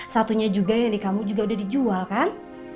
satunya juga yang di kamu juga udah dijual kan